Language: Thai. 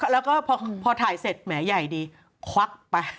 แล้วก็พอถ่ายเสร็จแหมใหญ่ดีควักไป